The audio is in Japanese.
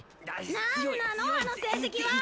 なんなのあの成績は！